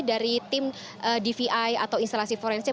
dari tim dvi atau instalasi forensik